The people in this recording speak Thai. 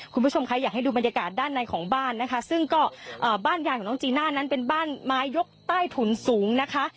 คุณผู้ชมคะอยากให้ดูบรรยากาศด้านในของบ้านนะคะซึ่งก็บ้านยายของน้องจีน่านั้นเป็นบ้านไม้ยกใต้ถุนสูงนะคะ